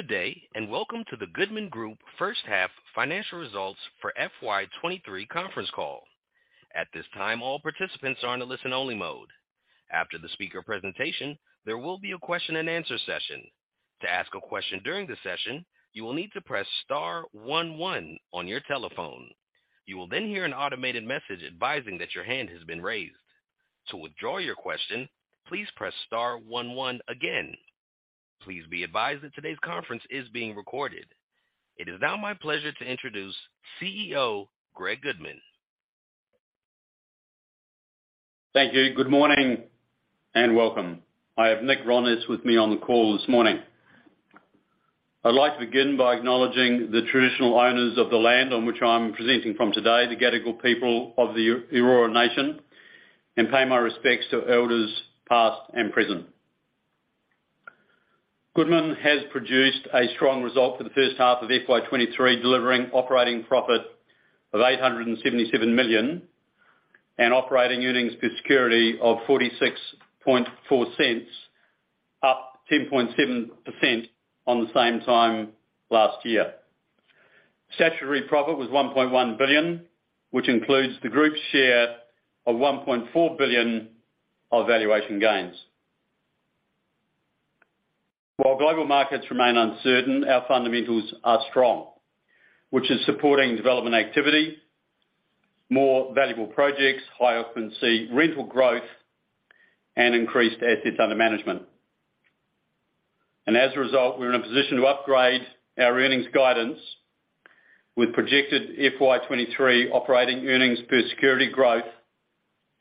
Good day. Welcome to the Goodman Group first half financial results for FY 2023 conference call. At this time, all participants are in a listen-only mode. After the speaker presentation, there will be a question-and-answer session. To ask a question during the session, you will need to press star one one on your telephone. You will hear an automated message advising that your hand has been raised. To withdraw your question, please press star one one again. Please be advised that today's conference is being recorded. It is now my pleasure to introduce CEO, Greg Goodman. Thank you. Good morning and welcome. I have Nick Vrondas with me on the call this morning. I'd like to begin by acknowledging the traditional owners of the land on which I'm presenting from today, the Gadigal people of the Eora Nation, and pay my respects to elders past and present. Goodman has produced a strong result for the first half of FY 2023, delivering operating profit of 877 million and operating earnings per security of 0.464, up 10.7% on the same time last year. Statutory profit was 1.1 billion, which includes the group's share of 1.4 billion of valuation gains. While global markets remain uncertain, our fundamentals are strong, which is supporting development activity, more valuable projects, high occupancy rental growth, and increased assets under management. As a result, we're in a position to upgrade our earnings guidance with projected FY 2023 operating earnings per security growth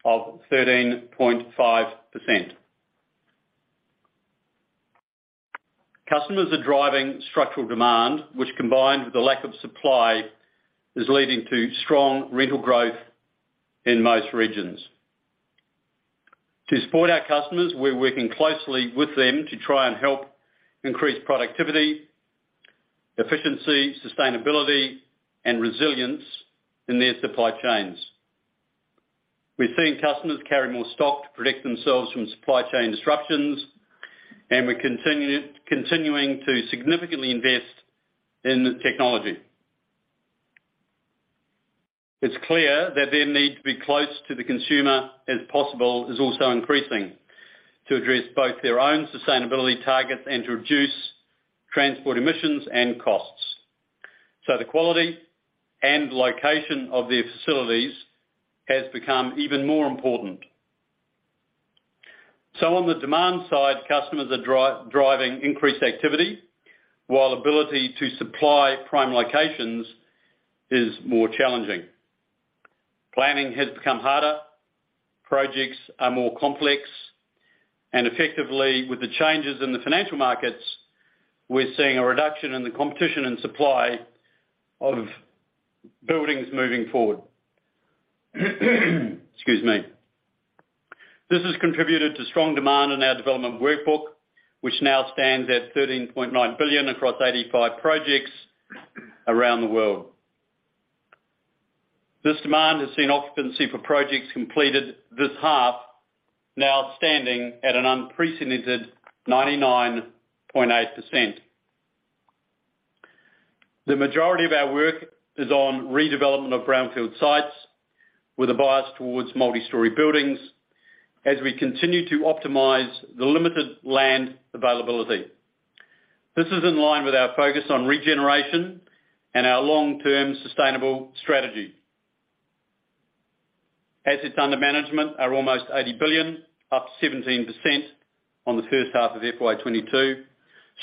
of 13.5%. Customers are driving structural demand, which combined with the lack of supply, is leading to strong rental growth in most regions. To support our customers, we're working closely with them to try and help increase productivity, efficiency, sustainability, and resilience in their supply chains. We're seeing customers carry more stock to protect themselves from supply chain disruptions, and we're continuing to significantly invest in technology. It's clear that their need to be close to the consumer as possible is also increasing to address both their own sustainability targets and to reduce transport emissions and costs. The quality and location of their facilities has become even more important. On the demand side, customers are driving increased activity while ability to supply prime locations is more challenging. Planning has become harder, projects are more complex. Effectively, with the changes in the financial markets, we're seeing a reduction in the competition and supply of buildings moving forward. Excuse me. This has contributed to strong demand in our development workbook, which now stands at 13.9 billion across 85 projects around the world. This demand has seen occupancy for projects completed this half now standing at an unprecedented 99.8%. The majority of our work is on redevelopment of brownfield sites with a bias towards multi-storey buildings as we continue to optimize the limited land availability. This is in line with our focus on regeneration and our long-term sustainable strategy. Assets under management are almost 80 billion, up 17% on the first half of FY 2022.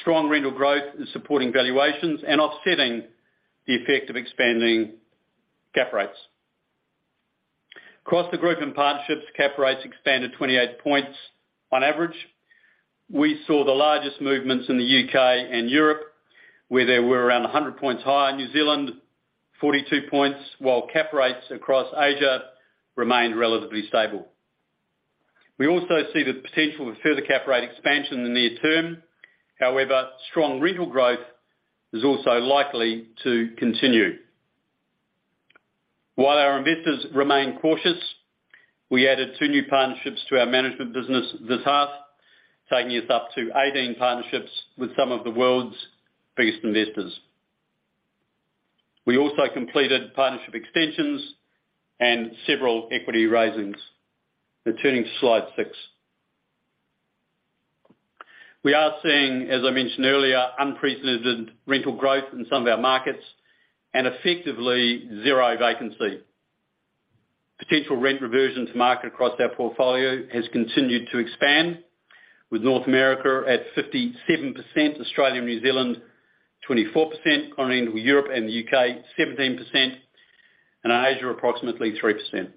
Strong rental growth is supporting valuations and offsetting the effect of expanding cap rates. Across the group in partnerships, cap rates expanded 28 points on average. We saw the largest movements in the U.K. and Europe, where they were around 100 points higher. New Zealand, 42 points, while cap rates across Asia remained relatively stable. We also see the potential of further cap rate expansion in the near term. However, strong rental growth is also likely to continue. While our investors remain cautious, we added two new partnerships to our management business this half, taking us up to 18 partnerships with some of the world's biggest investors. We also completed partnership extensions and several equity raisings. Turning to Slide 6. We are seeing, as I mentioned earlier, unprecedented rental growth in some of our markets and effectively zero vacancy. Potential rent reversion to market across our portfolio has continued to expand with North America at 57%, Australia and New Zealand 24%, Continental Europe and the U.K. 17%, and Asia approximately 3%.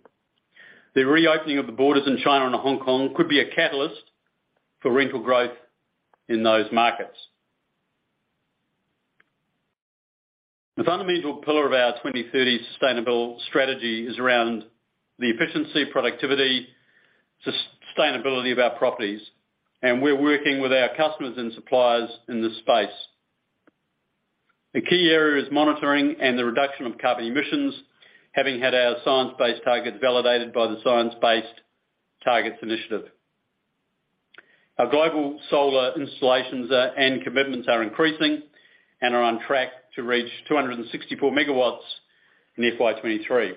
The reopening of the borders in China and Hong Kong could be a catalyst for rental growth in those markets. The fundamental pillar of our 2030 sustainable strategy is around the efficiency, productivity, sustainability of our properties, we're working with our customers and suppliers in this space. The key area is monitoring and the reduction of carbon emissions, having had our science-based targets validated by the Science Based Targets initiative. Our global solar installations and commitments are increasing and are on track to reach 264 megawatts in FY 2023.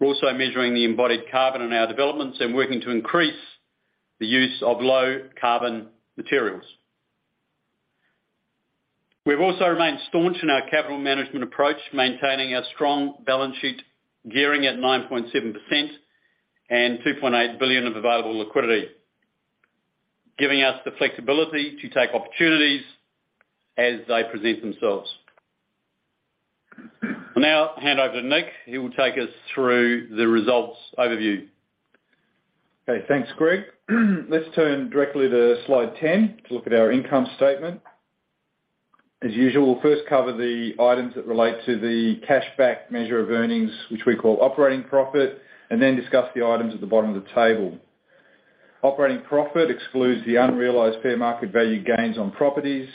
We're also measuring the embodied carbon in our developments and working to increase the use of low carbon materials. We've also remained staunch in our capital management approach, maintaining our strong balance sheet, gearing at 9.7% and 2.8 billion of available liquidity, giving us the flexibility to take opportunities as they present themselves. I'll now hand over to Nick, who will take us through the results overview. Okay. Thanks, Greg. Let's turn directly to Slide 10 to look at our income statement. As usual, we'll first cover the items that relate to the cash back measure of earnings, which we call operating profit, and then discuss the items at the bottom of the table. Operating profit excludes the unrealized fair market value gains on properties,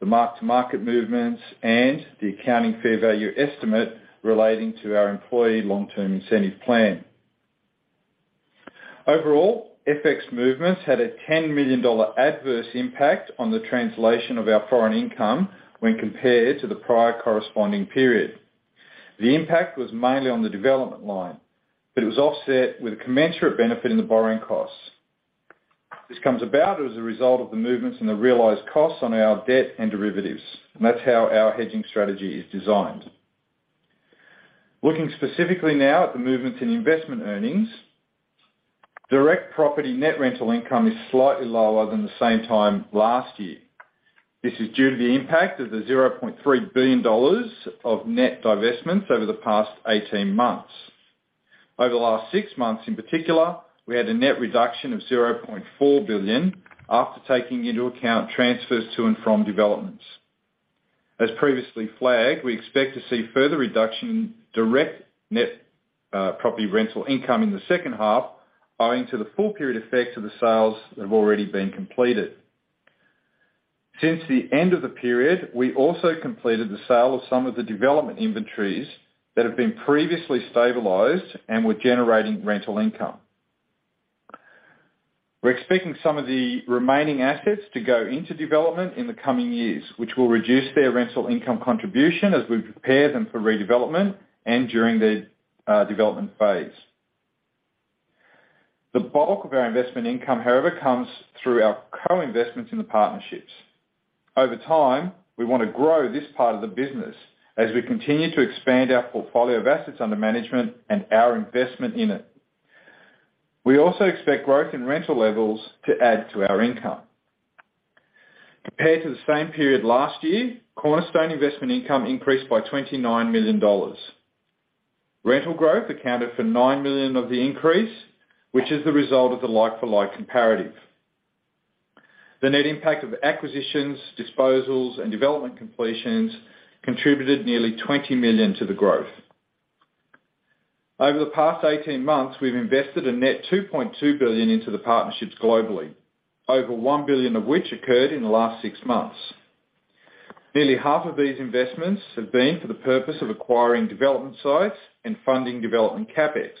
the mark-to-market movements, and the accounting fair value estimate relating to our employee long-term incentive plan. Overall, FX movements had a 10 million dollar adverse impact on the translation of our foreign income when compared to the prior corresponding period. The impact was mainly on the development line, but it was offset with a commensurate benefit in the borrowing costs. This comes about as a result of the movements in the realized costs on our debt and derivatives, and that's how our hedging strategy is designed. Looking specifically now at the movements in investment earnings. Direct property net rental income is slightly lower than the same time last year. This is due to the impact of the 0.3 billion dollars of net divestments over the past 18 months. Over the last six months, in particular, we had a net reduction of 0.4 billion after taking into account transfers to and from developments. As previously flagged, we expect to see further reduction in direct net property rental income in the second half, owing to the full period effect of the sales that have already been completed. Since the end of the period, we also completed the sale of some of the development inventories that have been previously stabilized and were generating rental income. We're expecting some of the remaining assets to go into development in the coming years, which will reduce their rental income contribution as we prepare them for redevelopment and during the development phase. The bulk of our investment income, however, comes through our co-investments in the partnerships. Over time, we wanna grow this part of the business as we continue to expand our portfolio of assets under management and our investment in it. We also expect growth in rental levels to add to our income. Compared to the same period last year, Cornerstone investment income increased by 29 million dollars. Rental growth accounted for 9 million of the increase, which is the result of the like-for-like comparative. The net impact of acquisitions, disposals, and development completions contributed nearly 20 million to the growth. Over the past 18 months, we've invested a net 2.2 billion into the partnerships globally, over 1 billion of which occurred in the last six months. Nearly half of these investments have been for the purpose of acquiring development sites and funding development CapEx.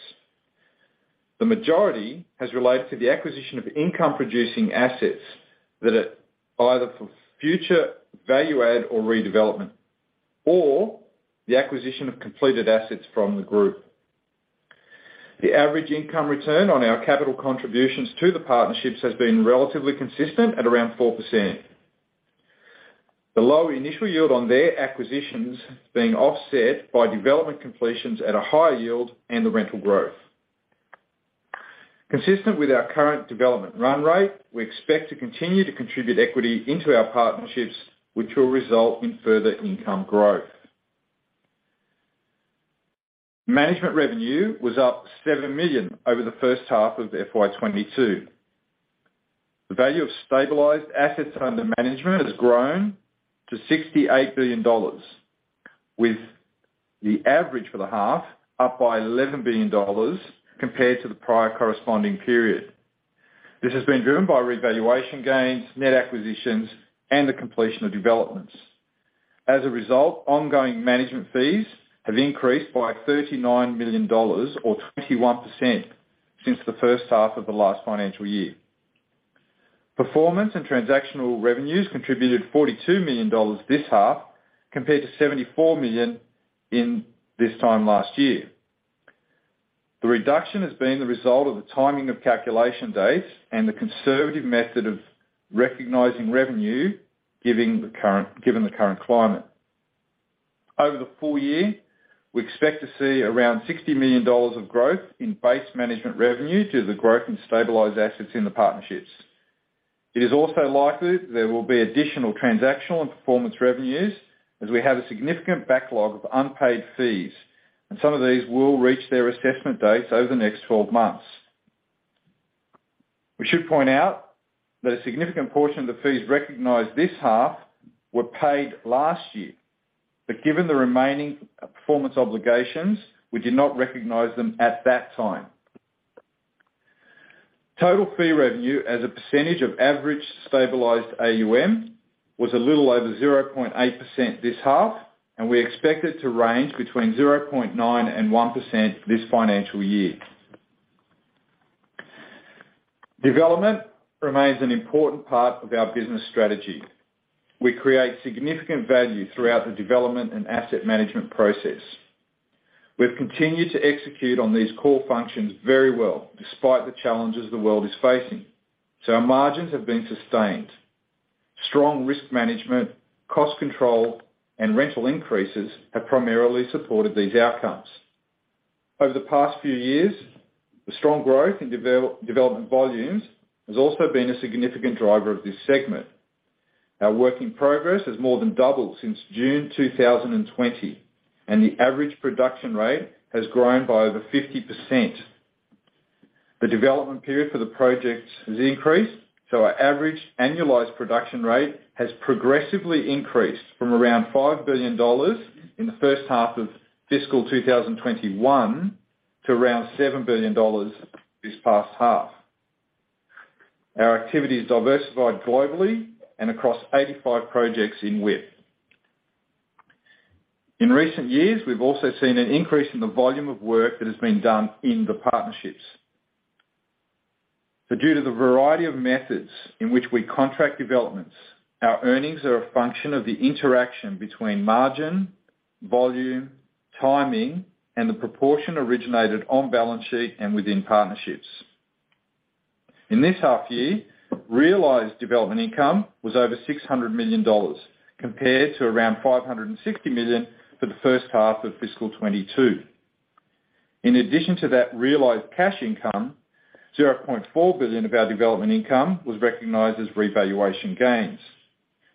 The majority has related to the acquisition of income-producing assets that are either for future value add or redevelopment, or the acquisition of completed assets from the group. The average income return on our capital contributions to the partnerships has been relatively consistent at around 4%. The lower initial yield on their acquisitions being offset by development completions at a higher yield and the rental growth. Consistent with our current development run rate, we expect to continue to contribute equity into our partnerships, which will result in further income growth. Management revenue was up 7 million over the first half of FY 2022. The value of stabilized assets under management has grown to $68 billion, with the average for the half up by $11 billion compared to the prior corresponding period. This has been driven by revaluation gains, net acquisitions, and the completion of developments. As a result, ongoing management fees have increased by $39 million or 21% since the first half of the last financial year. Performance and transactional revenues contributed $42 million this half compared to $74 million in this time last year. The reduction has been the result of the timing of calculation dates and the conservative method of recognizing revenue given the current climate. Over the full year, we expect to see around $60 million of growth in base management revenue due to the growth in stabilized assets in the partnerships. It is also likely there will be additional transactional and performance revenues as we have a significant backlog of unpaid fees, and some of these will reach their assessment dates over the next 12 months. We should point out that a significant portion of the fees recognized this half were paid last year. Given the remaining performance obligations, we did not recognize them at that time. Total fee revenue as a percentage of average stabilized AUM was a little over 0.8% this half, and we expect it to range between 0.9% and 1% this financial year. Development remains an important part of our business strategy. We create significant value throughout the development and asset management process. We've continued to execute on these core functions very well, despite the challenges the world is facing, so our margins have been sustained. Strong risk management, cost control, and rental increases have primarily supported these outcomes. Over the past few years, the strong growth in development volumes has also been a significant driver of this segment. Our work in progress has more than doubled since June 2020, and the average production rate has grown by over 50%. The development period for the projects has increased. Our average annualized production rate has progressively increased from around 5 billion dollars in the first half of fiscal 2021 to around 7 billion dollars this past half. Our activity is diversified globally and across 85 projects in width. In recent years, we've also seen an increase in the volume of work that has been done in the partnerships. Due to the variety of methods in which we contract developments, our earnings are a function of the interaction between margin, volume, timing, and the proportion originated on-balance sheet and within partnerships. In this half year, realized development income was over 600 million dollars compared to around 560 million for the first half of fiscal 2022. In addition to that realized cash income, 0.4 billion of our development income was recognized as revaluation gains.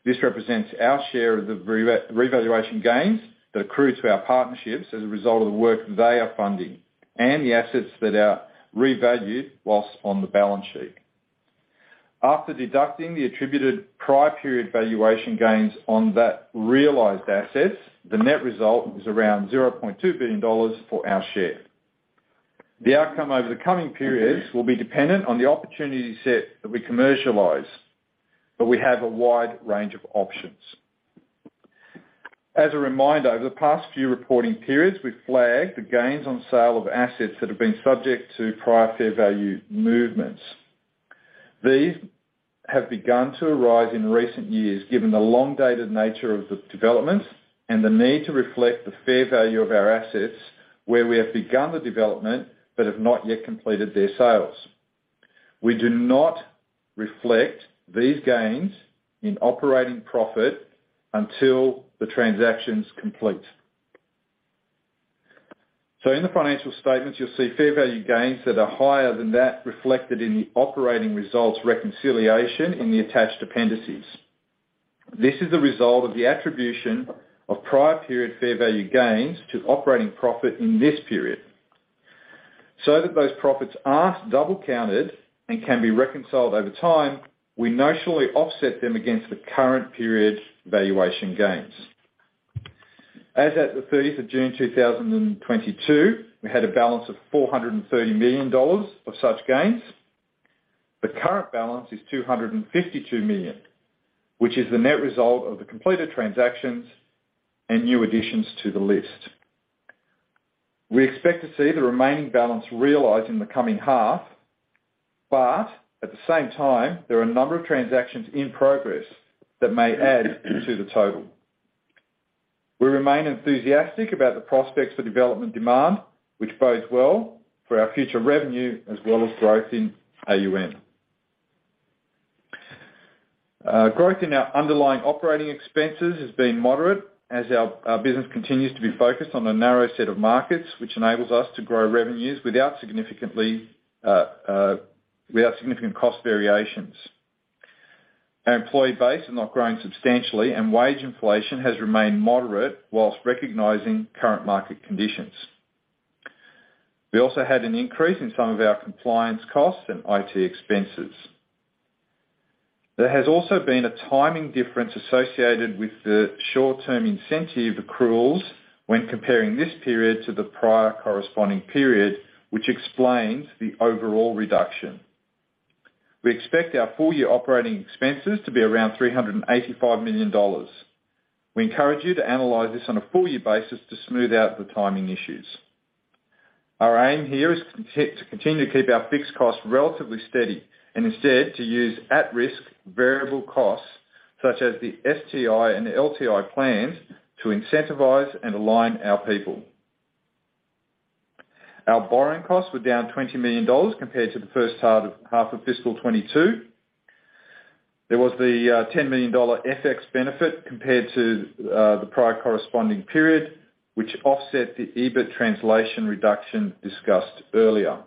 This represents our share of the revaluation gains that accrue to our partnerships as a result of the work they are funding and the assets that are revalued whilst on the balance sheet. After deducting the attributed prior period valuation gains on that realized assets, the net result was around 0.2 billion dollars for our share. The outcome over the coming periods will be dependent on the opportunity set that we commercialize, but we have a wide range of options. As a reminder, over the past few reporting periods, we flagged the gains on sale of assets that have been subject to prior fair value movements. These have begun to arise in recent years, given the long-dated nature of the developments and the need to reflect the fair value of our assets, where we have begun the development but have not yet completed their sales. We do not reflect these gains in operating profit until the transaction's complete. In the financial statements, you'll see fair value gains that are higher than that reflected in the operating results reconciliation in the attached appendices. This is a result of the attribution of prior period fair value gains to operating profit in this period. That those profits aren't double-counted and can be reconciled over time, we notionally offset them against the current period valuation gains. As at the 30th of June 2022, we had a balance of 430 million dollars of such gains. The current balance is 252 million, which is the net result of the completed transactions and new additions to the list. We expect to see the remaining balance realized in the coming half. At the same time, there are a number of transactions in progress that may add to the total. We remain enthusiastic about the prospects for development demand, which bodes well for our future revenue as well as growth in AUM. Growth in our underlying operating expenses has been moderate as our business continues to be focused on a narrow set of markets, which enables us to grow revenues without significant cost variations. Our employee base is not growing substantially, and wage inflation has remained moderate while recognizing current market conditions. We also had an increase in some of our compliance costs and IT expenses. There has also been a timing difference associated with the short-term incentive accruals when comparing this period to the prior corresponding period, which explains the overall reduction. We expect our full-year operating expenses to be around 385 million dollars. We encourage you to analyze this on a full-year basis to smooth out the timing issues. Our aim here is to continue to keep our fixed costs relatively steady and instead to use at-risk variable costs, such as the STI and the LTI plans, to incentivize and align our people. Our borrowing costs were down 20 million dollars compared to the first half of fiscal 2022. There was the 10 million dollar FX benefit compared to the prior corresponding period, which offset the EBIT translation reduction discussed earlier.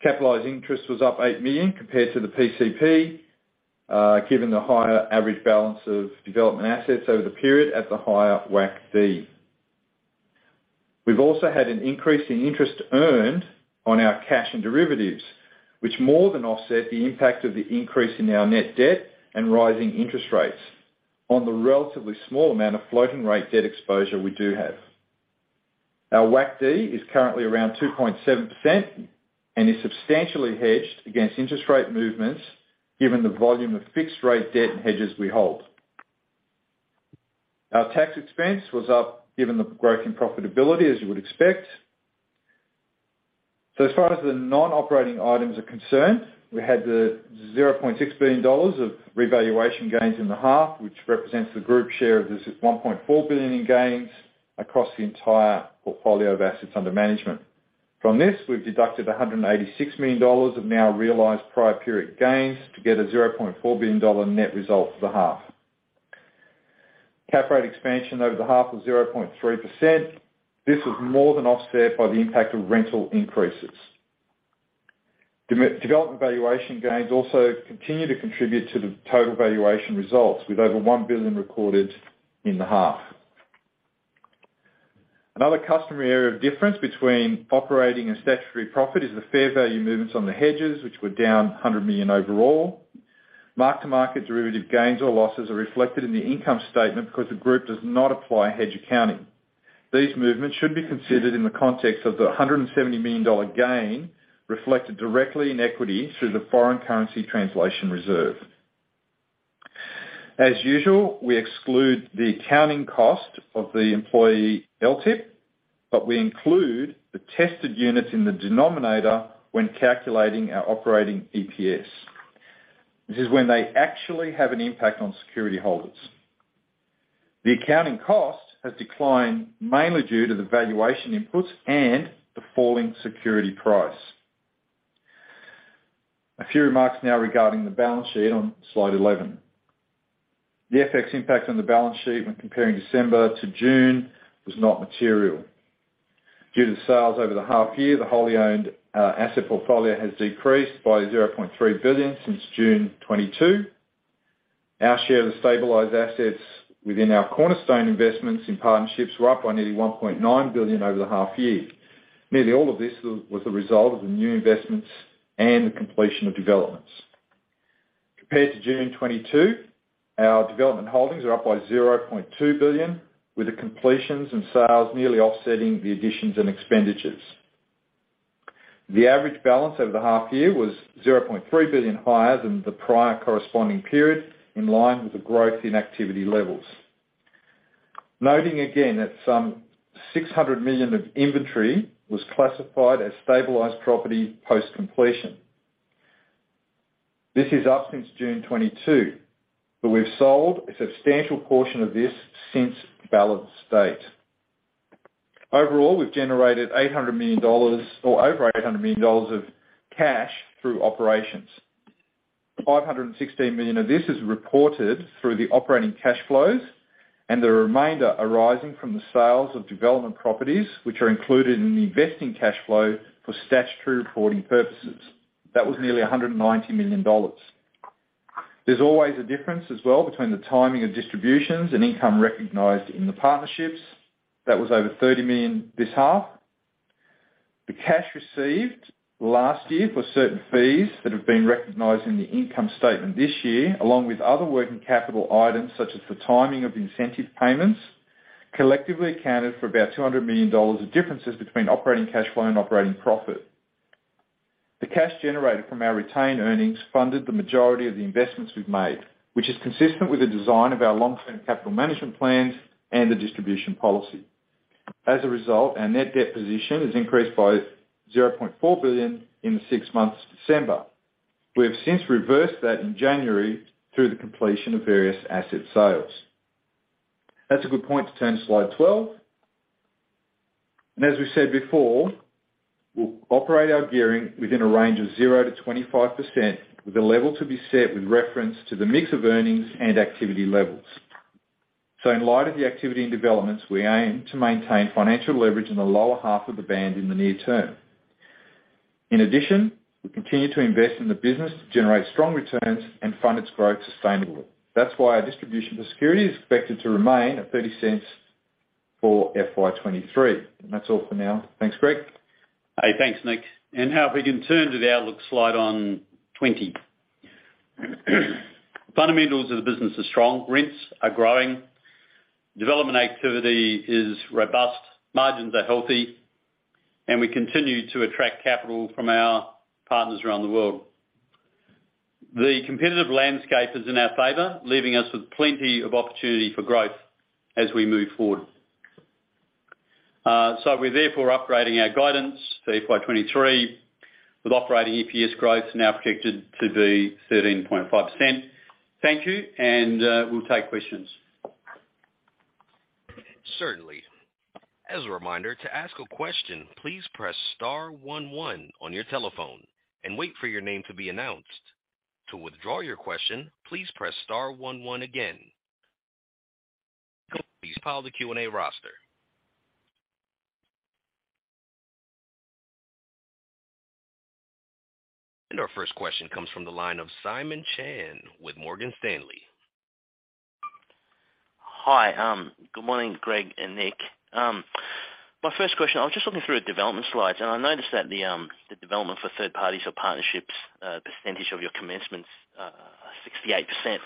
Capitalized interest was up 8 million compared to the PCP given the higher average balance of development assets over the period at the higher WACD. We've also had an increase in interest earned on our cash and derivatives, which more than offset the impact of the increase in our net debt and rising interest rates on the relatively small amount of floating rate debt exposure we do have. Our WACD is currently around 2.7% and is substantially hedged against interest rate movements given the volume of fixed rate debt and hedges we hold. Our tax expense was up given the growth in profitability, as you would expect. As far as the non-operating items are concerned, we had the 0.6 billion dollars of revaluation gains in the half, which represents the group share of this is 1.4 billion in gains across the entire portfolio of assets under management. From this, we've deducted 186 million dollars of now realized prior period gains to get an 0.4 billion dollar net result for the half. Cap rate expansion over the half was 0.3%. This is more than offset by the impact of rental increases. Development valuation gains also continue to contribute to the total valuation results with over 1 billion recorded in the half. Another customer area of difference between operating and statutory profit is the fair value movements on the hedges, which were down 100 million overall. Mark-to-market derivative gains or losses are reflected in the income statement because the group does not apply hedge accounting. These movements should be considered in the context of the 170 million dollar gain reflected directly in equity through the foreign currency translation reserve. We exclude the accounting cost of the employee LTIP, but we include the tested units in the denominator when calculating our operating EPS. This is when they actually have an impact on security holders. The accounting cost has declined mainly due to the valuation inputs and the falling security price. A few remarks now regarding the balance sheet on Slide 11. The FX impact on the balance sheet when comparing December to June was not material. Due to the sales over the half year, the wholly owned asset portfolio has decreased by 0.3 billion since June 2022. Our share of the stabilized assets within our cornerstone investments in partnerships was up by nearly 1.9 billion over the half year. Nearly all of this was the result of the new investments and the completion of developments. Compared to June 2022, our development holdings are up by 0.2 billion, with the completions and sales nearly offsetting the additions and expenditures. The average balance over the half year was 0.3 billion higher than the prior corresponding period, in line with the growth in activity levels. Noting again that some 600 million of inventory was classified as stabilized property post-completion. This is up since June 2022, but we've sold a substantial portion of this since balance date. Overall, we've generated AUD 800 million or over 800 million dollars of cash through operations. 516 million of this is reported through the operating cash flows and the remainder arising from the sales of development properties, which are included in the investing cash flow for statutory reporting purposes. That was nearly 190 million dollars. There's always a difference as well between the timing of distributions and income recognized in the partnerships. That was over 30 million this half. The cash received last year for certain fees that have been recognized in the income statement this year, along with other working capital items such as the timing of incentive payments, collectively accounted for about 200 million dollars of differences between operating cash flow and operating profit. The cash generated from our retained earnings funded the majority of the investments we've made, which is consistent with the design of our long-term capital management plans and the distribution policy. As a result, our net debt position has increased by 0.4 billion in the six months to December. We have since reversed that in January through the completion of various asset sales. That's a good point to turn to Slide 12. As we said before, we'll operate our gearing within a range of 0%-25%, with the level to be set with reference to the mix of earnings and activity levels. In light of the activity and developments, we aim to maintain financial leverage in the lower half of the band in the near term. In addition, we continue to invest in the business to generate strong returns and fund its growth sustainably. That's why our distribution for security is expected to remain at 0.30 for FY 2023. That's all for now. Thanks, Greg. Hey, thanks, Nick. Now if we can turn to the outlook Slide on 20. Fundamentals of the business are strong. Rents are growing, development activity is robust, margins are healthy, and we continue to attract capital from our partners around the world. The competitive landscape is in our favor, leaving us with plenty of opportunity for growth as we move forward. We're therefore upgrading our guidance for FY 2023, with operating EPS growth now projected to be 13.5%. Thank you. We'll take questions. Certainly. As a reminder, to ask a question, please press star one one on your telephone and wait for your name to be announced. To withdraw your question, please press star one one again. Please pile the Q&A roster. Our first question comes from the line of Simon Chan with Morgan Stanley. Hi. Good morning, Greg and Nick. My first question, I was just looking through the development slides, and I noticed that the development for third parties or partnerships, percentage of your commencements, 68%.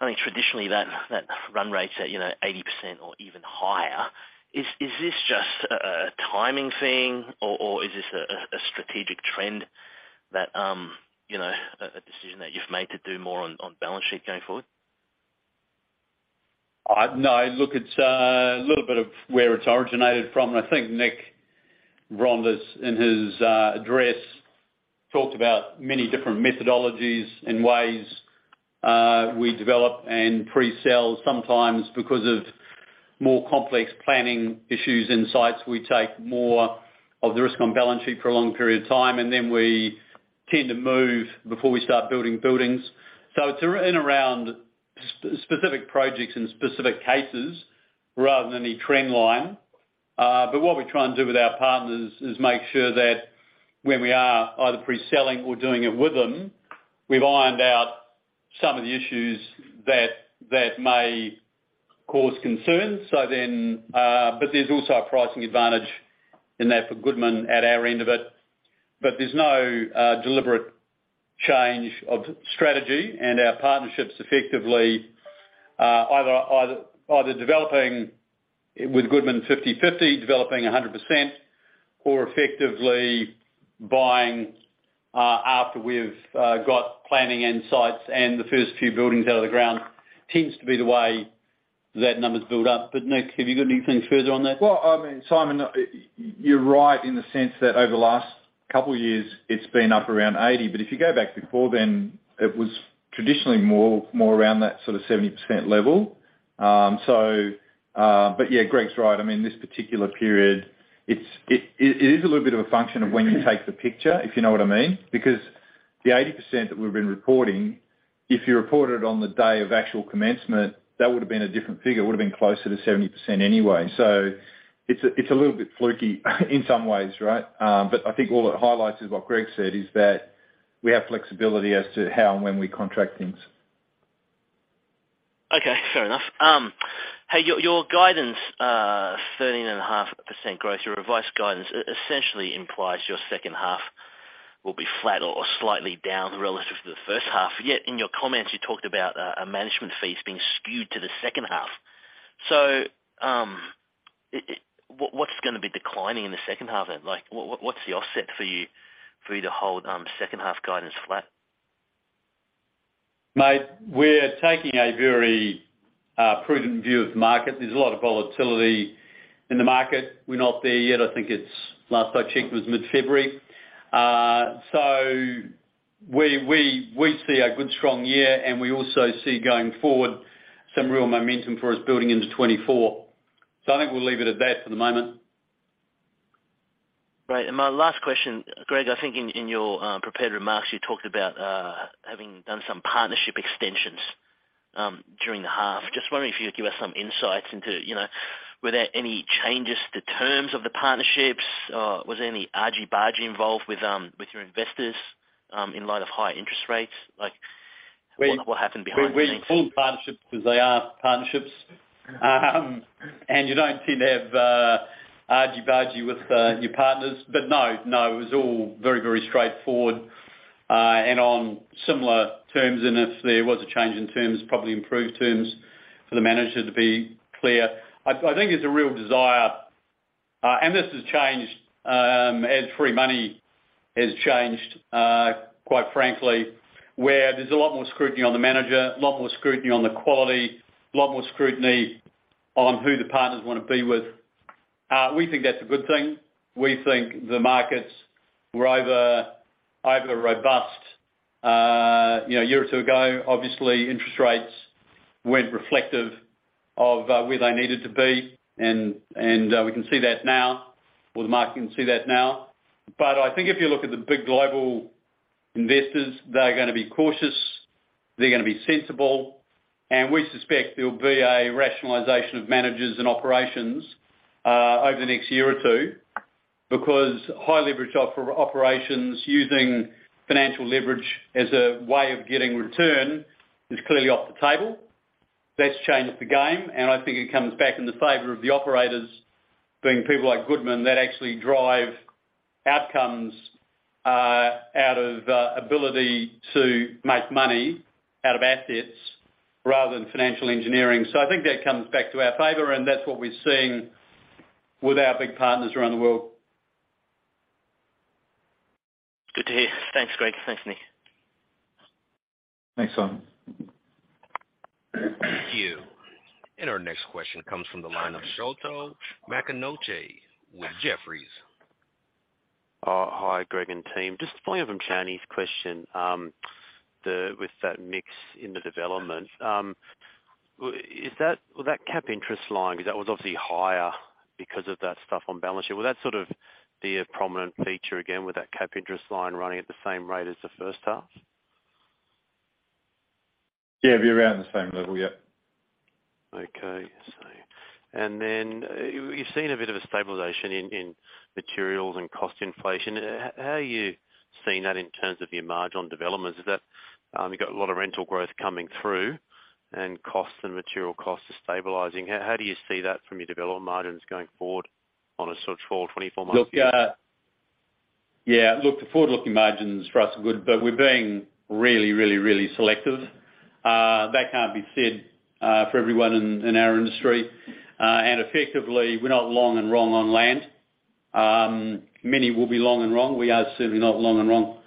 I mean, traditionally that run rate's at, you know, 80% or even higher. Is this just a timing thing or is this a strategic trend that, you know, a decision that you've made to do more on balance sheet going forward? No. Look, it's a little bit of where it's originated from. I think Nick Vrondas in his address talked about many different methodologies and ways we develop and pre-sell sometimes because of more complex planning issues and sites. We take more of the risk on balance sheet for a long period of time, and then we tend to move before we start building buildings. It's in around specific projects and specific cases rather than any trend line. What we try and do with our partners is make sure that when we are either pre-selling or doing it with them, we've ironed out some of the issues that may cause concern. There's also a pricing advantage in that for Goodman at our end of it. There's no deliberate change of strategy and our partnerships effectively either developing with Goodman 50/50, developing 100%, or effectively buying after we've got planning insights and the first few buildings out of the ground tends to be the way that numbers build up. Nick, have you got anything further on that? Well, I mean, Simon Chan, you're right in the sense that over the last couple years it's been up around 80%, but if you go back before then, it was traditionally more around that sort of 70% level. Yeah, Greg Goodman's right. I mean, this particular period, it is a little bit of a function of when you take the picture, if you know what I mean. The 80% that we've been reporting, if you reported on the day of actual commencement, that would've been a different figure. It would've been closer to 70% anyway. It's a little bit fluky in some ways, right? I think all it highlights is what Greg Goodman said, is that we have flexibility as to how and when we contract things. Okay, fair enough. Your guidance, 13.5% growth, your revised guidance essentially implies your second half will be flat or slightly down relative to the first half. In your comments you talked about management fees being skewed to the second half. What's gonna be declining in the second half then? Like, what's the offset for you to hold second half guidance flat? Mate, we're taking a very prudent view of the market. There's a lot of volatility in the market. We're not there yet. I think it's, last I checked was mid-February. We see a good strong year, and we also see going forward some real momentum for us building into 2024. I think we'll leave it at that for the moment. Right. My last question, Greg, I think in your prepared remarks you talked about having done some partnership extensions during the half. Just wondering if you could give us some insights into, you know, were there any changes to terms of the partnerships? Was there any argy-bargy involved with your investors in light of high interest rates? Like, what happened behind the scenes? We call them partnerships 'cause they are partnerships. You don't seem to have argy-bargy with your partners. No, it was all very, very straightforward and on similar terms. If there was a change in terms, probably improved terms for the manager, to be clear. I think there's a real desire, and this has changed, as free money has changed, quite frankly, where there's a lot more scrutiny on the manager, a lot more scrutiny on the quality, a lot more scrutiny on who the partners wanna be with. We think that's a good thing. We think the markets were over-robust, you know, a year or two ago. Obviously, interest rates went reflective of where they needed to be and we can see that now or the market can see that now. I think if you look at the big global investors, they're gonna be cautious, they're gonna be sensible, and we suspect there'll be a rationalization of managers and operations over the next year or two because high leverage operations using financial leverage as a way of getting return is clearly off the table. That's changed the game, and I think it comes back in the favor of the operators, being people like Goodman, that actually drive outcomes out of ability to make money out of assets rather than financial engineering. I think that comes back to our favor and that's what we're seeing with our big partners around the world. Good to hear. Thanks, Greg. Thanks, Nick. Thanks, Simon. Thank you. Our next question comes from the line of Sholto Maconochie with Jefferies. Hi, Greg and team. Just following up on Chan's question, with that mix in the development. Because that was obviously higher because of that stuff on balance sheet, will that sort of be a prominent feature again with that cap interest line running at the same rate as the first half? Yeah, be around the same level. Yeah. Okay. You've seen a bit of a stabilization in materials and cost inflation. How are you seeing that in terms of your margin developments? Is that, you've got a lot of rental growth coming through and costs and material costs are stabilizing. How do you see that from your development margins going forward on a sort of full 24-month view? Look, the forward-looking margins for us are good, we're being really, really, really selective. That can't be said for everyone in our industry. Effectively, we're not long and wrong on land. Many will be long and wrong. We are certainly not long and wrong.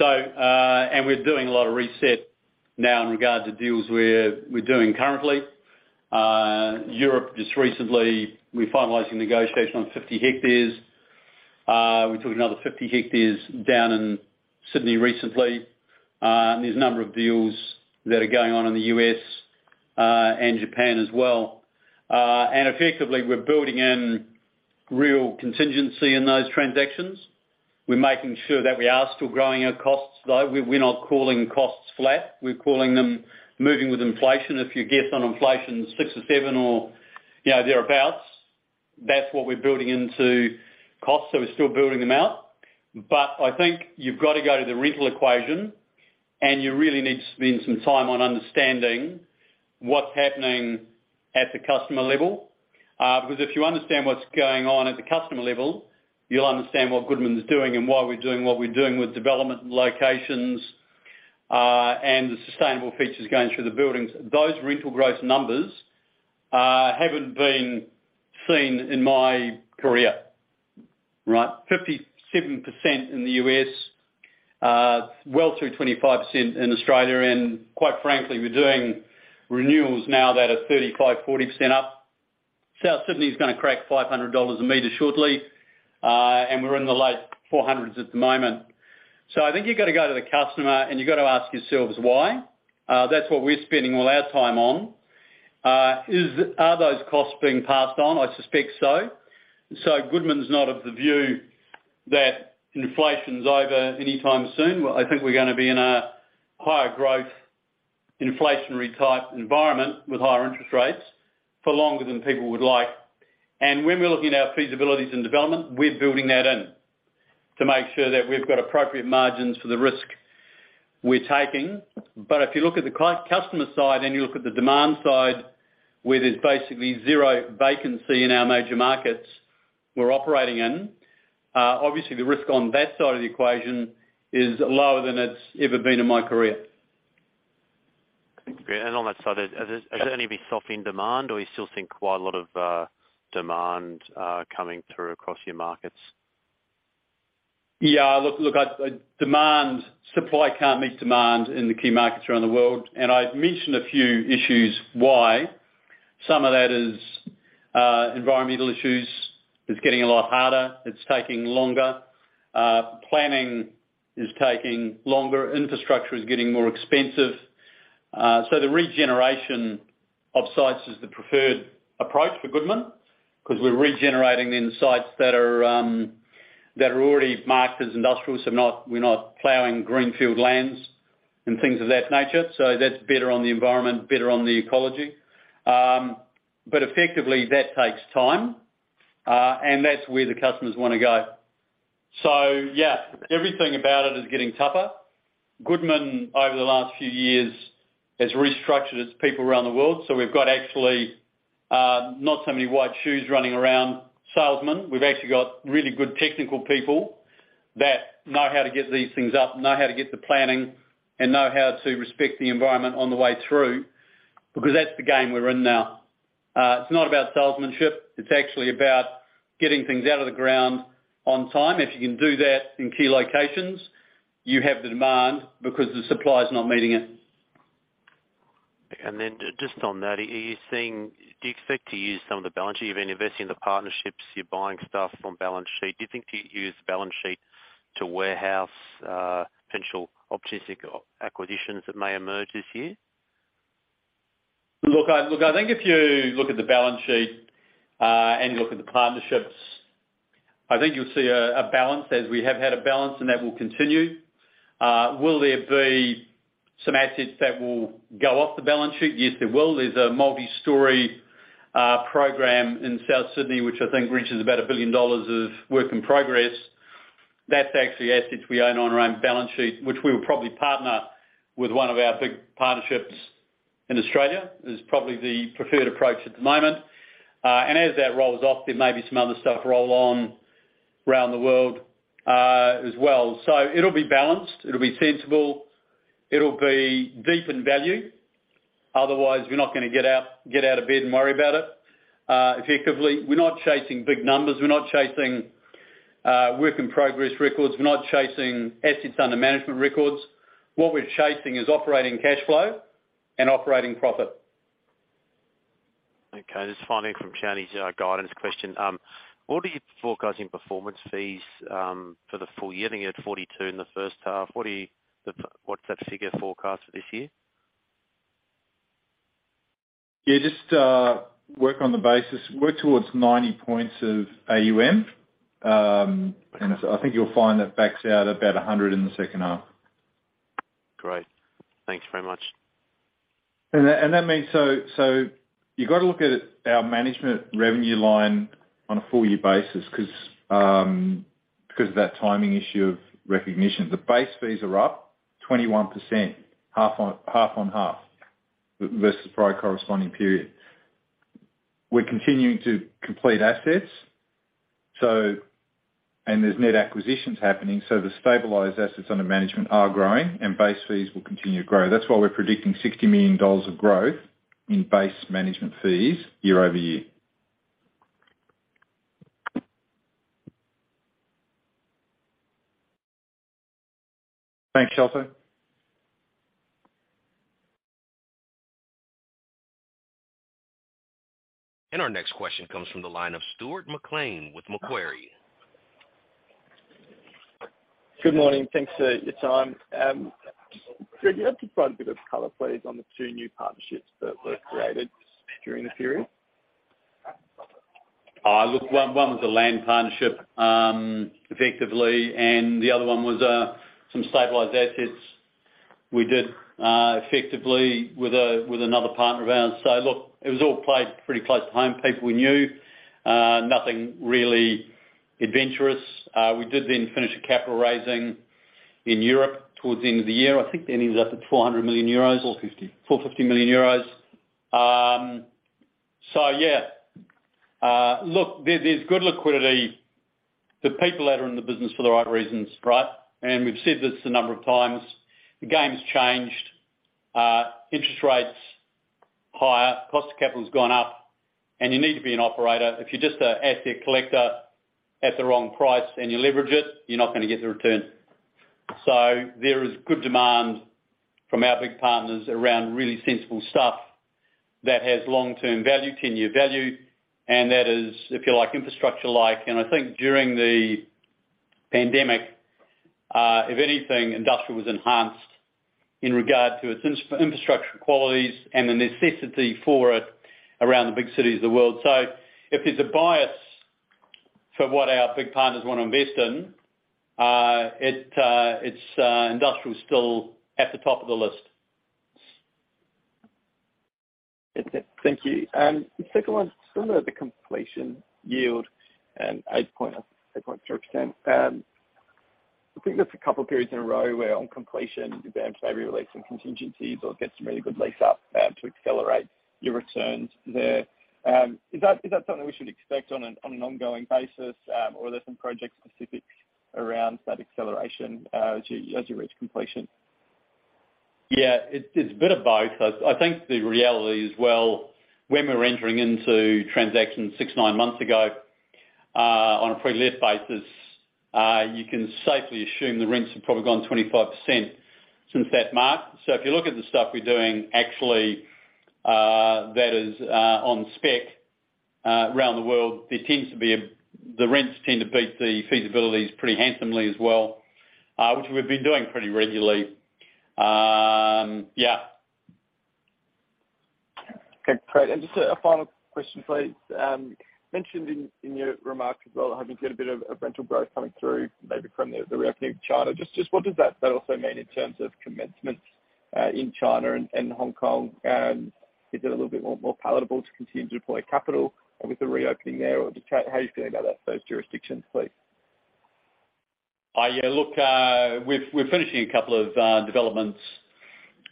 We're doing a lot of reset now in regards to deals we're doing currently. Europe, just recently, we're finalizing negotiation on 50 hectares. We took another 50 hectares down in Sydney recently. There's a number of deals that are going on in the U.S. and Japan as well. Effectively we're building in real contingency in those transactions. We're making sure that we are still growing our costs, though. We're not calling costs flat. We're calling them moving with inflation. If you guess on inflation six or seven or, you know, thereabouts, that's what we're building into costs, so we're still building them out. I think you've got to go to the rental equation and you really need to spend some time on understanding what's happening at the customer level. Because if you understand what's going on at the customer level, you'll understand what Goodman's doing and why we're doing what we're doing with development and locations, and the sustainable features going through the buildings. Those rental growth numbers haven't been seen in my career, right? 57% in the U.S., well through 25% in Australia, and quite frankly, we're doing renewals now that are 35%, 40% up. South Sydney's gonna crack 500 dollars a meter shortly, and we're in the late 400s at the moment. I think you've got to go to the customer and you've got to ask yourselves, why? That's what we're spending all our time on. Are those costs being passed on? I suspect so. Goodman's not of the view that inflation's over anytime soon. Well, I think we're gonna be in a higher growth inflationary-type environment with higher interest rates for longer than people would like. When we're looking at our feasibilities and development, we're building that in to make sure that we've got appropriate margins for the risk we're taking. If you look at the customer side and you look at the demand side, where there's basically zero vacancy in our major markets we're operating in, obviously the risk on that side of the equation is lower than it's ever been in my career. Great. On that side, has there any been softening demand or you still think quite a lot of demand coming through across your markets? Yeah. Look, look, supply can't meet demand in the key markets around the world, and I've mentioned a few issues why. Some of that is environmental issues. It's getting a lot harder. It's taking longer. Planning is taking longer. Infrastructure is getting more expensive. The regeneration of sites is the preferred approach for Goodman because we're regenerating in sites that are, that are already marked as industrial. We're not plowing greenfield lands and things of that nature. That's better on the environment, better on the ecology. Effectively, that takes time, and that's where the customers wanna go. Yeah, everything about it is getting tougher. Goodman, over the last few years, has restructured its people around the world. We've got actually, not so many white shoes running around salesmen. We've actually got really good technical people that know how to get these things up, know how to get the planning, and know how to respect the environment on the way through, because that's the game we're in now. It's not about salesmanship. It's actually about getting things out of the ground on time. If you can do that in key locations, you have the demand because the supply is not meeting it. Just on that, do you expect to use some of the balance sheet? You've been investing in the partnerships. You're buying stuff from balance sheet. Do you think you use balance sheet to warehouse potential opportunistic acquisitions that may emerge this year? Look, I think if you look at the balance sheet and look at the partnerships, I think you'll see a balance as we have had a balance, and that will continue. Will there be some assets that will go off the balance sheet? Yes, there will. There's a multi-storey program in South Sydney, which I think reaches about 1 billion dollars of work in progress. That's actually assets we own on our own balance sheet, which we'll probably partner with one of our big partnerships in Australia, is probably the preferred approach at the moment. As that rolls off, there may be some other stuff roll on around the world as well. It'll be balanced. It'll be sensible. It'll be deep in value. Otherwise, you're not gonna get out of bed and worry about it. Effectively, we're not chasing big numbers. We're not chasing, work in progress records. We're not chasing assets under management records. What we're chasing is operating cash flow and operating profit. Okay. Just finally from Shani's, guidance question. What are you forecasting performance fees for the full year? I think you had 42 million in the first half. What's that figure forecast for this year? Yeah, just work on the basis, work towards 90 points of AUM. I think you'll find that backs out about 100 in the second half. Great. Thanks very much. That means so you've got to look at our management revenue line on a full year basis because of that timing issue of recognition. The base fees are up 21%, half on half versus prior corresponding period. We're continuing to complete assets. There's net acquisitions happening, so the stabilized assets under management are growing and base fees will continue to grow. That's why we're predicting 60 million dollars of growth in base management fees year-over-year. Thanks, Sholto. Our next question comes from the line of Stuart McLean with Macquarie. Good morning. Thanks for your time. Greg, you have to provide a bit of color, please, on the two new partnerships that were created during the period. One was a land partnership, effectively, and the other one was some stabilized assets we did effectively with another partner of ours. It was all played pretty close to home, people we knew, nothing really adventurous. We did finish a capital raising in Europe towards the end of the year. I think that ends up at 400 million euros. 450. 450 million euros. Yeah. Look, there's good liquidity. The people that are in the business for the right reasons, right? We've said this a number of times, the game's changed. Interest rate's higher, cost of capital has gone up, and you need to be an operator. If you're just a asset collector at the wrong price and you leverage it, you're not gonna get the return. There is good demand from our big partners around really sensible stuff that has long-term value, 10-year value. That is, if you like, infrastructure-like. I think during the pandemic, if anything, industrial was enhanced in regard to its infrastructure qualities and the necessity for it around the big cities of the world. If there's a bias for what our big partners wanna invest in, it's industrial is still at the top of the list. Thank you. The second one is some of the completion yield and 8.3%. I think that's a couple of periods in a row where on completion, you've been able to release some contingencies or get some really good lease up, to accelerate your returns there. Is that something we should expect on an ongoing basis, or are there some project specifics around that acceleration, as you reach completion? Yeah, it's a bit of both. I think the reality is, well, when we're entering into transactions six, nine months ago, on a pre-let basis, you can safely assume the rents have probably gone 25% since that mark. If you look at the stuff we're doing, actually, that is on spec around the world, there tends to be the rents tend to beat the feasibilities pretty handsomely as well, which we've been doing pretty regularly. Yeah. Okay, great. Just a final question, please. Mentioned in your remarks as well, having to get a bit of a rental growth coming through maybe from the reopening of China. Just what does that also mean in terms of commencements in China and Hong Kong? Is it a little bit more palatable to continue to deploy capital with the reopening there? Just how are you feeling about that, those jurisdictions, please? Yeah, look, we're finishing a couple of developments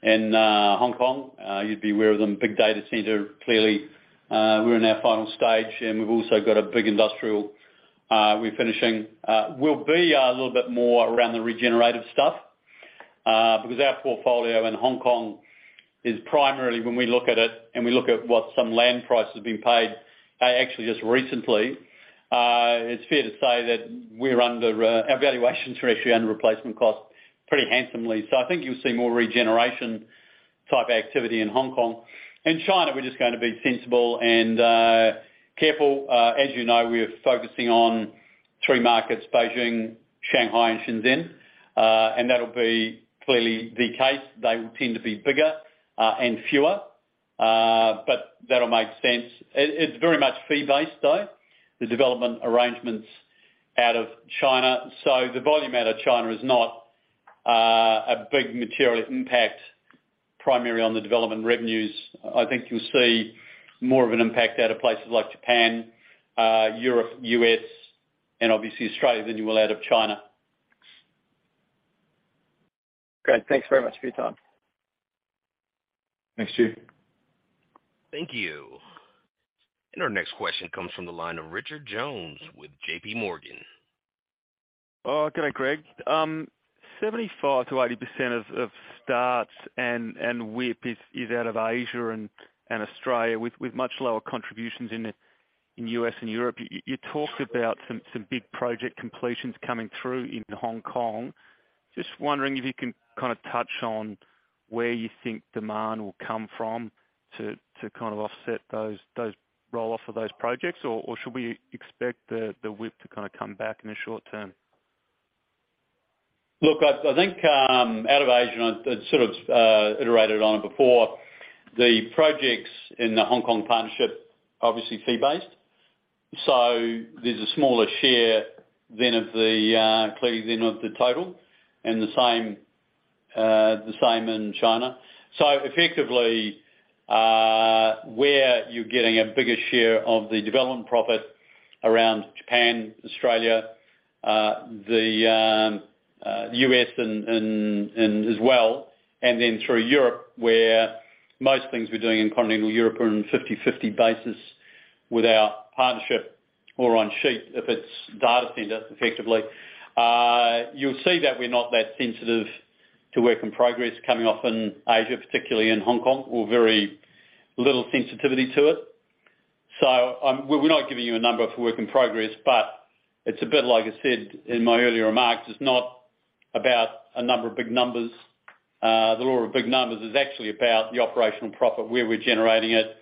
in Hong Kong. You'd be aware of them. Big data centre, clearly, we're in our final stage, and we've also got a big industrial, we're finishing. We'll be a little bit more around the regenerative stuff, because our portfolio in Hong Kong is primarily when we look at it and we look at what some land price has been paid, actually just recently, it's fair to say that we're under, our valuation is actually under replacement cost pretty handsomely. I think you'll see more regeneration type activity in Hong Kong. In China, we're just gonna be sensible and careful. As you know, we are focusing on three markets, Beijing, Shanghai, and Shenzhen, and that'll be clearly the case. They will tend to be bigger, and fewer, but that'll make sense. It's very much fee-based, though, the development arrangements out of China. The volume out of China is not a big material impact primarily on the development revenues. I think you'll see more of an impact out of places like Japan, Europe, U.S., and obviously Australia than you will out of China. Great. Thanks very much for your time. Thanks, Stuart. Thank you. Our next question comes from the line of Richard Jones with JPMorgan. Good day, Greg. 75%-80% of starts and WIP is out of Asia and Australia with much lower contributions in U.S. and Europe. You talked about some big project completions coming through in Hong Kong. Just wondering if you can, kind of, touch on where you think demand will come from to, kind of, offset those roll-off of those projects. Or should we expect the WIP to, kind of, come back in the short term? Look, I think, out of Asia, I sort of iterated on it before. The projects in the Hong Kong partnership, obviously fee-based. There's a smaller share than of the clearly than of the total, and the same, the same in China. Effectively, where you're getting a bigger share of the development profit around Japan, Australia, the U.S. and as well, and then through Europe, where most things we're doing in continental Europe are in 50/50 basis with our partnership or on sheet if it's data centre effectively. You'll see that we're not that sensitive to work in progress coming off in Asia, particularly in Hong Kong, or very little sensitivity to it. We're not giving you a number for work in progress, but it's a bit like I said in my earlier remarks, it's not about a number of big numbers. The rule of big numbers is actually about the operating profit, where we're generating it,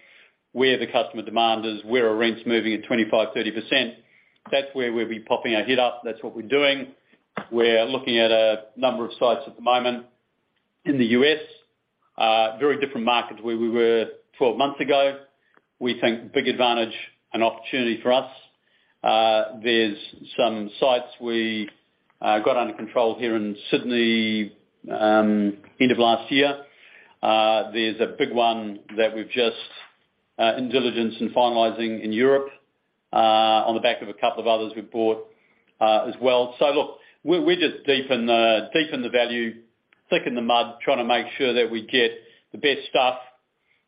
where the customer demand is, where our rent's moving at 25%-30%. That's where we'll be popping our head up. That's what we're doing. We're looking at a number of sites at the moment in the U.S. Very different market to where we were 12 months ago. We think big advantage and opportunity for us. There's some sites we got under control here in Sydney end of last year. There's a big one that we've just in diligence and finalizing in Europe on the back of a couple of others we've bought as well. Look, we just deepen the value, thicken the mud, trying to make sure that we get the best stuff.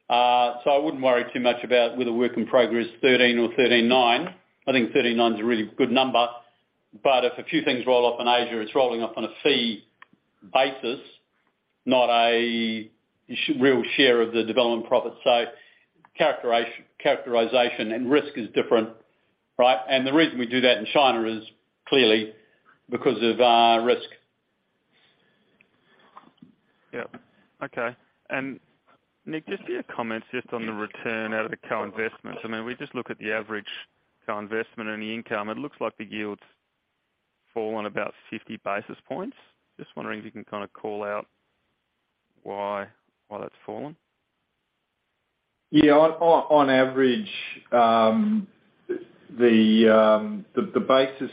I wouldn't worry too much about whether work in progress 13 or 13-9. I think 39 is a really good number, but if a few things roll up in Asia, it's rolling up on a fee basis, not a real share of the development profit. Characterization and risk is different, right? The reason we do that in China is clearly because of risk. Yep. Okay. Nick, just your comments just on the return out of the current investments. I mean, we just look at the average current investment and the income. It looks like the yields fall on about 50 basis points. Just wondering if you can kinda call out why that's fallen. On average, the, the basis,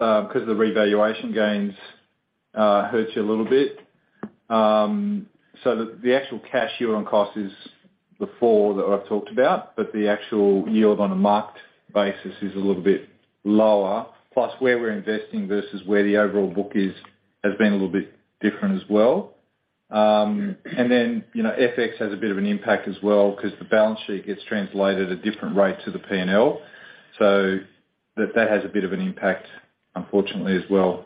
'cause the revaluation gains, hurts you a little bit. The actual cash year on cost is the four that I've talked about, but the actual yield on a marked basis is a little bit lower. Plus, where we're investing versus where the overall book is, has been a little bit different as well. You know, FX has a bit of an impact as well because the balance sheet gets translated at a different rate to the P&L. That, that has a bit of an impact, unfortunately, as well.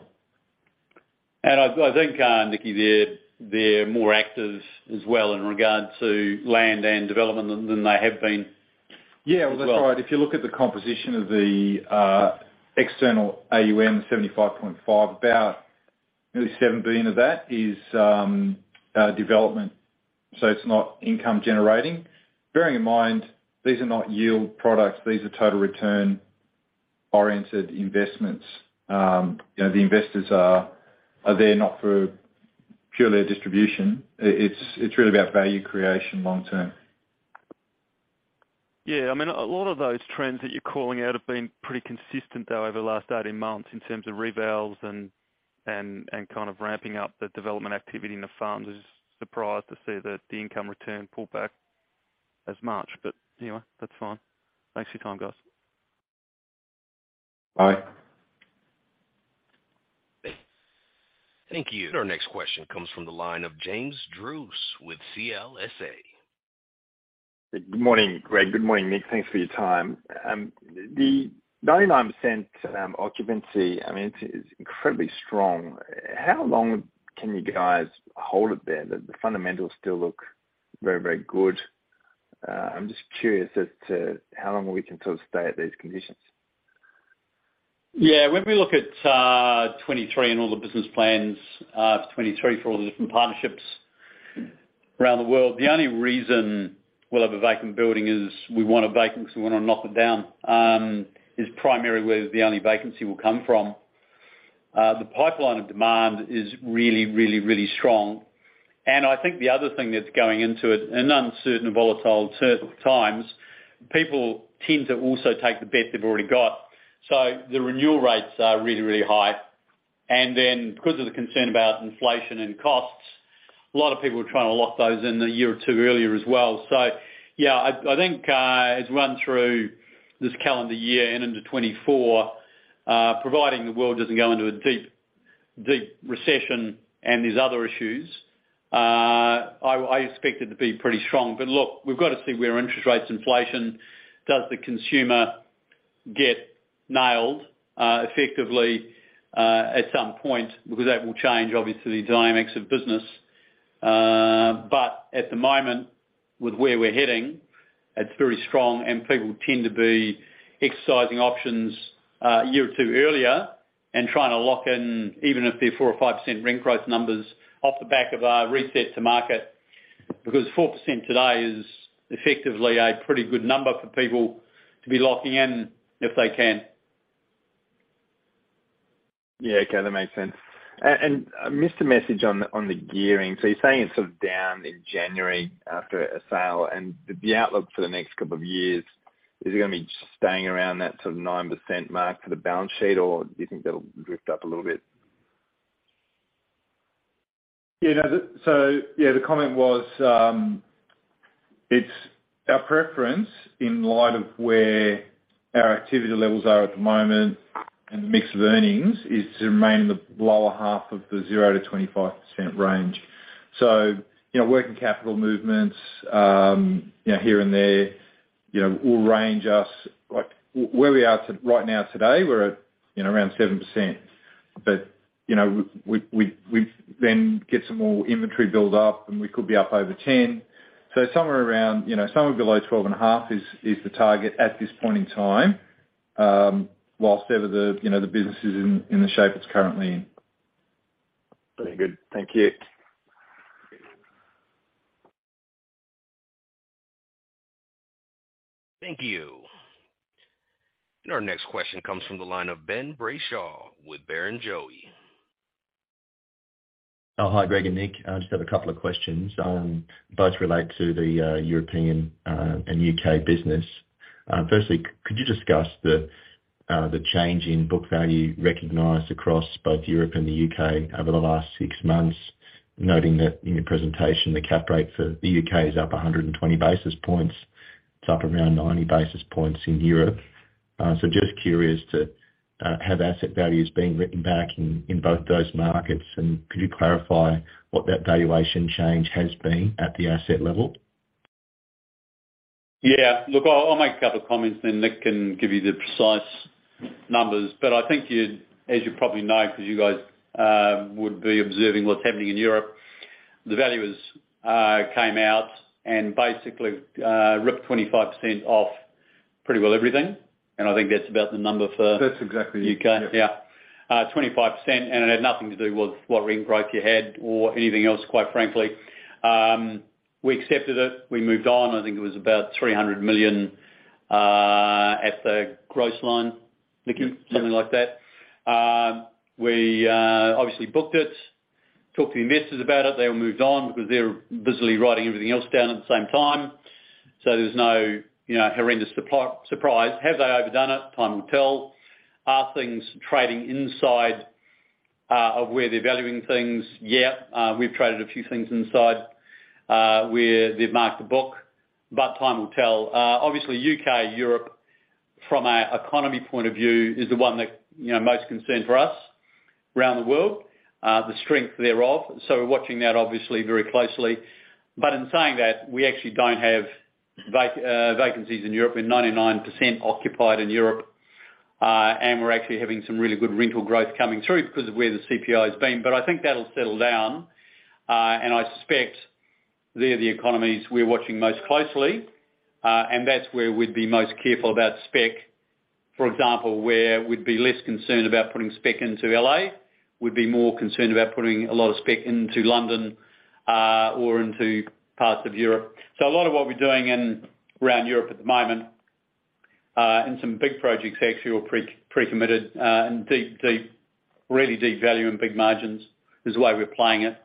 I think, Nicky, they're more active as well in regard to land and development than they have been as well. Well, that's right. If you look at the composition of the external AUM, 75.5, about nearly 7 billion of that is development. It's not income generating. Bearing in mind, these are not yield products. These are total return-oriented investments. you know, the investors are there not for purely a distribution. It's really about value creation long term. Yeah. I mean, a lot of those trends that you're calling out have been pretty consistent though over the last 18 months in terms of revals and kind of ramping up the development activity in the farms. Just surprised to see that the income return pulled back as much. Anyway, that's fine. Thanks for your time, guys. Bye. Thank you. Our next question comes from the line of James Druce with CLSA. Good morning, Greg. Good morning, Nick. Thanks for your time. The 99% occupancy, I mean, it is incredibly strong. How long can you guys hold it there? The fundamentals still look very, very good. I'm just curious as to how long we can sort of stay at these conditions. When we look at 2023 and all the business plans for 2023 for all the different partnerships around the world, the only reason we'll have a vacant building is we want to vacant 'cause we wanna knock it down, is primarily where the only vacancy will come from. The pipeline of demand is really, really, really strong. I think the other thing that's going into it, in uncertain and volatile times, people tend to also take the bet they've already got. The renewal rates are really, really high. Because of the concern about inflation and costs, a lot of people are trying to lock those in a year or two earlier as well. Yeah, I think as we run through this calendar year and into 2024, providing the world doesn't go into a deep, deep recession and these other issues, I expect it to be pretty strong. Look, we've got to see where interest rates, inflation, does the consumer get nailed effectively at some point because that will change obviously the dynamics of business. At the moment with where we're heading, it's very strong and people tend to be exercising options a year or two earlier and trying to lock in even if they're 4% or 5% rent growth numbers off the back of a reset to market because 4% today is effectively a pretty good number for people to be locking in if they can. Yeah. Okay. That makes sense. I missed the message on the gearing. You're saying it's sort of down in January after a sale and the outlook for the next couple of years, is it gonna be staying around that sort of 9% mark for the balance sheet, or do you think that'll drift up a little bit? Yeah. The comment was, it's our preference in light of where our activity levels are at the moment and the mix of earnings is to remain in the lower half of the 0%-25% range. You know, working capital movements, you know, here and there, you know, will range us. Like, where we are to right now today, we're at, you know, around 7%. You know, we then get some more inventory build up, and we could be up over 10. Somewhere around, you know, somewhere below 12.5 is the target at this point in time, whilst ever the, you know, the business is in the shape it's currently in. Very good. Thank you. Thank you. Our next question comes from the line of Ben Brayshaw with Barrenjoey. Oh, hi, Greg and Nick. I just have a couple of questions. Both relate to the European and U.K. business. Firstly, could you discuss the change in book value recognized across both Europe and the U.K. over the last six months? Noting that in your presentation, the cap rate for the U.K. is up 120 basis points. It's up around 90 basis points in Europe. Just curious to have asset values been written back in both those markets, and could you clarify what that valuation change has been at the asset level? Yeah. Look, I'll make a couple of comments then Nick can give you the precise numbers. I think you, as you probably know, because you guys would be observing what's happening in Europe. The value is came out and basically ripped 25% off pretty well everything. I think that's about the number for. That's exactly it. U.K. Yeah. 25%. It had nothing to do with what ring broke you had or anything else, quite frankly. We accepted it. We moved on. I think it was about 300 million at the gross line. Nick, you? Yeah. Something like that. We obviously booked it, talked to the investors about it. They all moved on because they're busily writing everything else down at the same time. There's no, you know, horrendous surprise. Have they overdone it? Time will tell. Are things trading inside of where they're valuing things? Yeah. We've traded a few things inside where they've marked the book, but time will tell. Obviously U.K., Europe, from an economy point of view, is the one that, you know, most concerned for us around the world, the strength thereof. We're watching that obviously very closely. In saying that, we actually don't have vacancies in Europe. We're 99% occupied in Europe, and we're actually having some really good rental growth coming through because of where the CPI has been. I think that'll settle down. I suspect they're the economies we're watching most closely, and that's where we'd be most careful about spec. For example, where we'd be less concerned about putting spec into L.A., we'd be more concerned about putting a lot of spec into London or into parts of Europe. A lot of what we're doing in around Europe at the moment, and some big projects actually were pre-committed and deep, really deep value and big margins is the way we're playing it.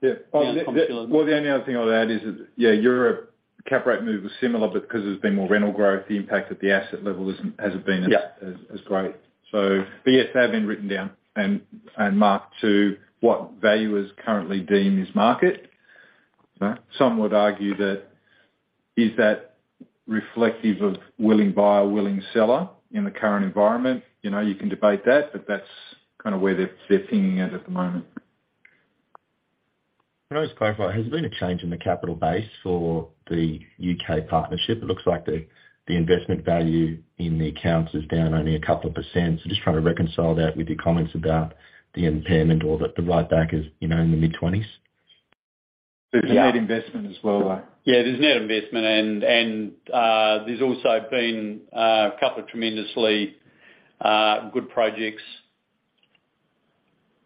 Yeah. Yeah. Well, the only other thing I'll add is that, yeah, Europe cap rate move was similar, but because there's been more rental growth, the impact at the asset level hasn't been as-. Yeah as great. Yes, they have been written down and marked to what value is currently deemed as market. You know? Some would argue that, is that reflective of willing buyer, willing seller in the current environment? You know, you can debate that. That's kinda where they're seeing it at the moment. Can I just clarify, has there been a change in the capital base for the U.K. partnership? It looks like the investment value in the accounts is down only a couple of percent. Just trying to reconcile that with your comments about the impairment or that the write back is, you know, in the mid-20s. Yeah. There's a net investment as well. Yeah, there's net investment and, there's also been, a couple of tremendously, good projects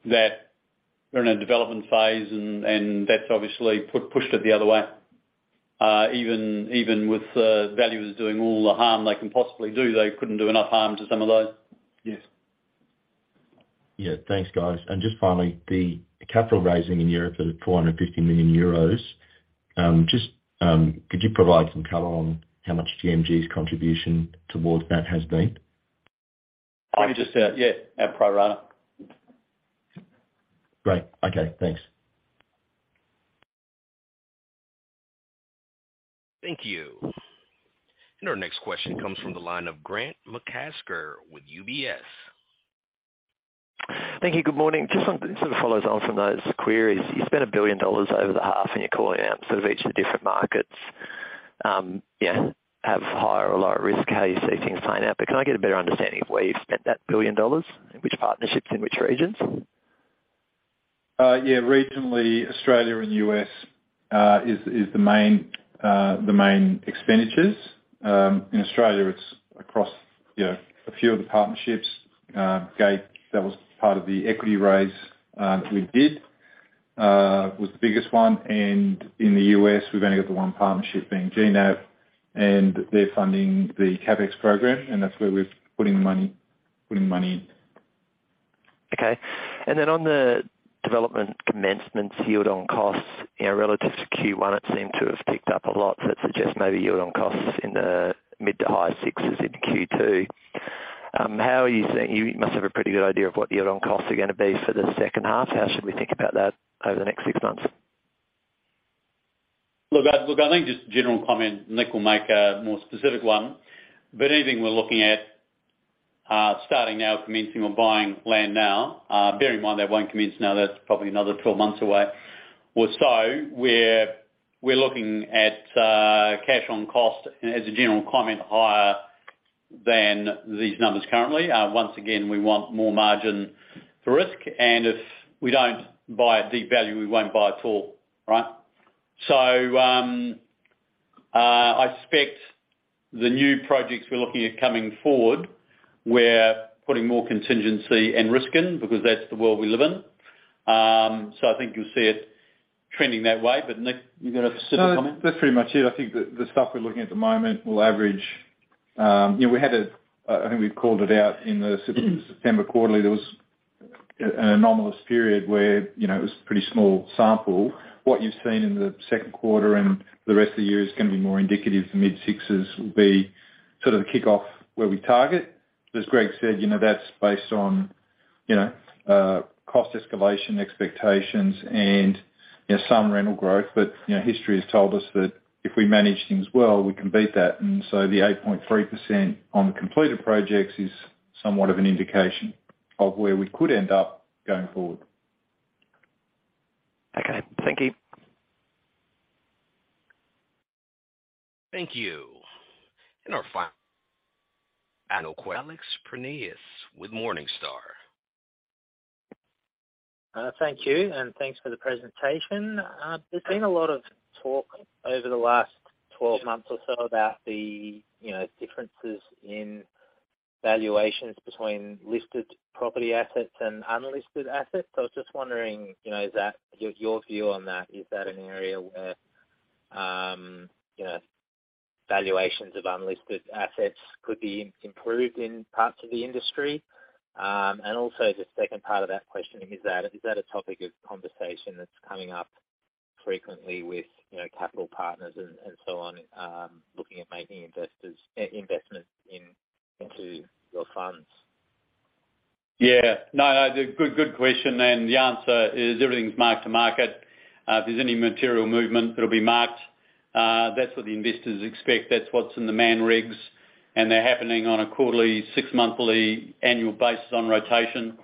that are in a development phase and that's obviously pushed it the other way. Even, even with, valuers doing all the harm they can possibly do, they couldn't do enough harm to some of those. Yes. Yeah. Thanks, guys. Just finally, the capital raising in Europe of 450 million euros, just, could you provide some color on how much GMG's contribution towards that has been? Only just, yeah, our pro rata. Great. Okay. Thanks. Thank you. Our next question comes from the line of Grant McCasker with UBS. Thank you. Good morning. This sort of follows on from those queries. You spent 1 billion dollars over the half, and you're calling out sort of each of the different markets, have higher or lower risk, how you see things playing out. Can I get a better understanding of where you've spent that 1 billion dollars? In which partnerships, in which regions? Yeah. Regionally, Australia and U.S. is the main expenditures. In Australia, it's across, you know, a few of the partnerships. Gaw, that was part of the equity raise that we did, was the biggest one. In the U.S., we've only got the one partnership being GNAP, and they're funding the CapEx program, and that's where we're putting the money, putting money in. Okay. Then on the development commencements yield on costs, you know, relative to Q1, it seemed to have picked up a lot. It suggests maybe yield on costs in the mid to high sixes in Q2. You must have a pretty good idea of what the add-on costs are gonna be for the second half. How should we think about that over the next six months? I think just a general comment, Nick will make a more specific one. Anything we're looking at, starting now, commencing or buying land now, bear in mind that won't commence now, that's probably another 12 months away or so, we're looking at cash on cost as a general comment, higher than these numbers currently. Once again, we want more margin for risk. If we don't buy at deep value, we won't buy at all. Right? I suspect the new projects we're looking at coming forward, we're putting more contingency and risk in because that's the world we live in. I think you'll see it trending that way. Nick, you got a specific comment. That's pretty much it. I think the stuff we're looking at the moment will average. You know, we had I think we called it out in the September quarterly. There was an anomalous period where, you know, it was a pretty small sample. What you've seen in the second quarter and the rest of the year is gonna be more indicative. The mid-6s will be sort of the kickoff where we target. As Greg said, you know, that's based on, you know, cost escalation expectations and, you know, some rental growth. History has told us that if we manage things well, we can beat that. The 8.3% on the completed projects is somewhat of an indication of where we could end up going forward. Okay, thank you. Thank you. Our final Thank you. Thanks for the presentation. There's been a lot of talk over the last 12 months or so about the, you know, differences in valuations between listed property assets and unlisted assets. I was just wondering, you know, is that your view on that? Is that an area where, you know, valuations of unlisted assets could be improved in parts of the industry? Also the second part of that question is that a topic of conversation that's coming up frequently with, you know, capital partners and so on, looking at making investments in, into your funds? Yeah. No, no, good question. The answer is everything's mark-to-market. If there's any material movement, it'll be marked. That's what the investors expect. That's what's in the management rights. They're happening on a quarterly, six-monthly, annual basis on rotation.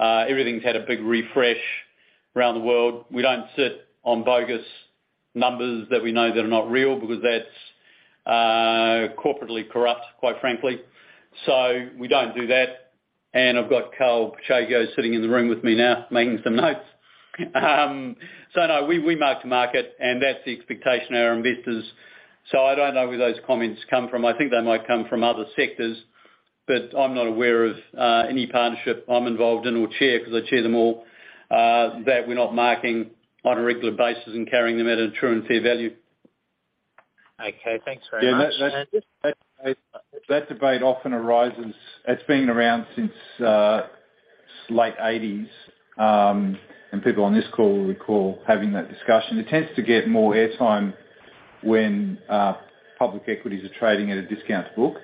Everything's had a big refresh around the world. We don't sit on bogus numbers that we know that are not real because that's corporately corrupt, quite frankly. We don't do that. I've got Carl Bicego sitting in the room with me now, making some notes. No, we mark-to-market. That's the expectation of our investors. I don't know where those comments come from. I think they might come from other sectors, but I'm not aware of any partnership I'm involved in or chair, because I chair them all, that we're not marking on a regular basis and carrying them at a true and fair value. Okay, thanks very much. Yeah, that debate often arises. It's been around since late 1980s, and people on this call will recall having that discussion. It tends to get more air time when public equities are trading at a discount to book,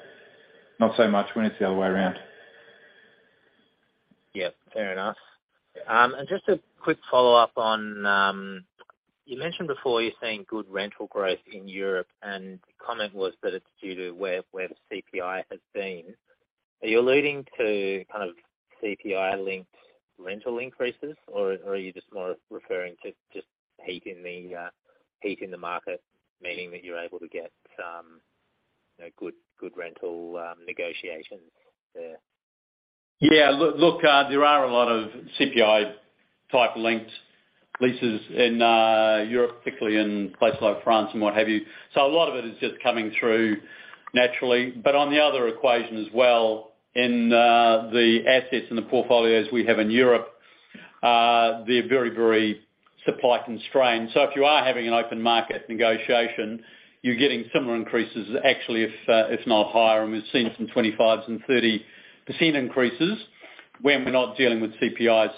not so much when it's the other way around. Yeah, fair enough. Just a quick follow-up on, you mentioned before you're seeing good rental growth in Europe, and the comment was that it's due to where the CPI has been. Are you alluding to kind of CPI-linked rental increases or are you just more referring to just heat in the market, meaning that you're able to get some, you know, good rental negotiations there? Look, look, there are a lot of CPI type linked leases in Europe, particularly in places like France and what have you. A lot of it is just coming through naturally. On the other equation as well, in the assets and the portfolios we have in Europe, they're very, very supply constrained. If you are having an open market negotiation, you're getting similar increases actually if not higher, and we've seen some 25% and 30% increases when we're not dealing with CPIs.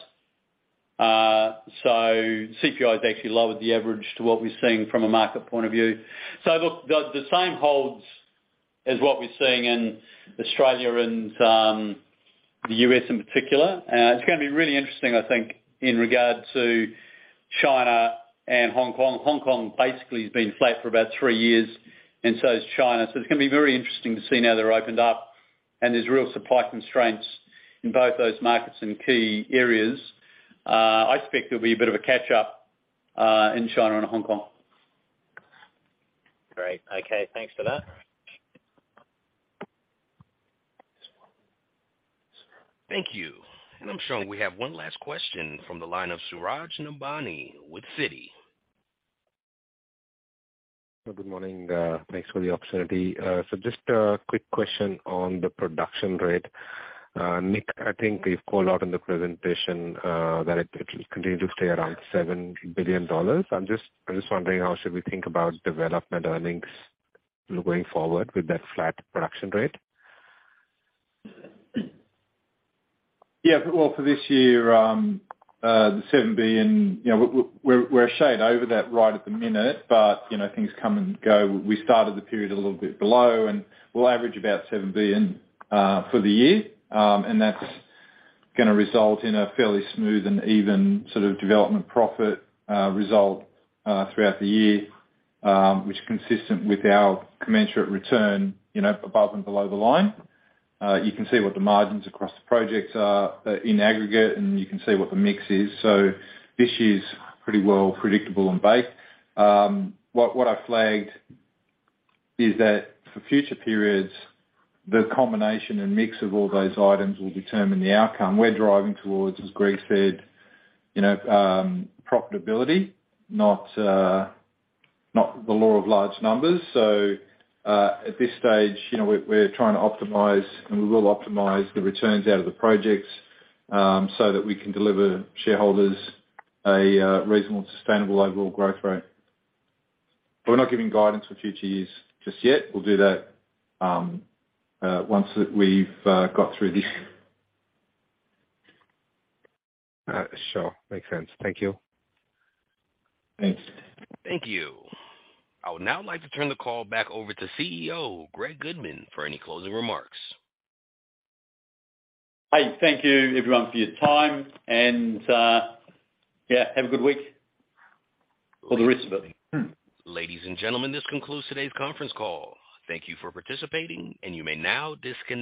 CPI has actually lowered the average to what we're seeing from a market point of view. Look, the same holds as what we're seeing in Australia and the U.S. in particular. It's gonna be really interesting, I think, in regard to China and Hong Kong. Hong Kong basically has been flat for about three years, and so has China. It's gonna be very interesting to see now they're opened up and there's real supply constraints in both those markets in key areas. I suspect there'll be a bit of a catch up in China and Hong Kong. Great. Okay, thanks for that. Thank you. I'm showing we have one last question from the line of Suraj Nebhani with Citi. Good morning. Thanks for the opportunity. Just a quick question on the production rate. Nick, I think you've called out in the presentation that it will continue to stay around 7 billion dollars. I'm just wondering how should we think about development earnings going forward with that flat production rate? Yeah. Well, for this year, the 7 billion, you know, we're a shade over that right at the minute, but, you know, things come and go. We started the period a little bit below, we'll average about 7 billion for the year. That's gonna result in a fairly smooth and even sort of development profit result throughout the year, which is consistent with our commensurate return, you know, above and below the line. You can see what the margins across the projects are in aggregate, and you can see what the mix is. This year's pretty well predictable and baked. What I flagged is that for future periods, the combination and mix of all those items will determine the outcome. We're driving towards, as Greg said, you know, profitability, not the law of large numbers. At this stage, you know, we're trying to optimize, and we will optimize the returns out of the projects, so that we can deliver shareholders a reasonable, sustainable overall growth rate. We're not giving guidance for future years just yet. We'll do that once we've got through this. Sure. Makes sense. Thank you. Thanks. Thank you. I would now like to turn the call back over to CEO, Greg Goodman, for any closing remarks. Hey, thank you everyone for your time, and, yeah, have a good week for the rest of it. Ladies and gentlemen, this concludes today's conference call. Thank you for participating, and you may now disconnect.